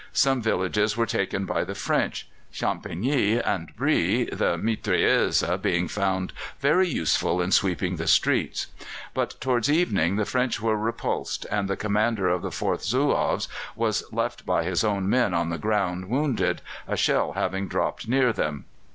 Some villages were taken by the French, Champigny and Brie, the mitrailleuses being found very useful in sweeping the streets; but towards evening the French were repulsed, and the commander of the 4th Zouaves was left by his own men on the ground wounded, a shell having dropped near them.